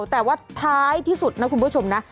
แต่ว่าท้ายที่สุดนะคุณผู้ชมนะ